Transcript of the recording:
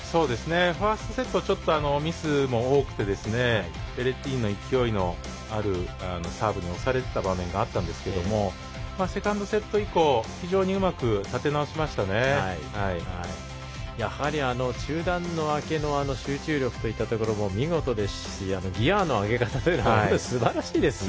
ファーストセットちょっとミスも多くてベレッティーニの勢いのあるサーブに押されていた場面もあったんですがセカンドセット以降非常にうまくやはり中断明けの集中力といったところも見事ですしギヤの上げ方もすばらしかったですね。